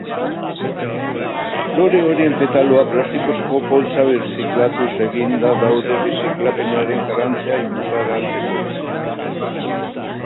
Lore horien petaloak plastikozko poltsa birziklatuz eginda daude birziklapenaren garrantzia ikusarazteko.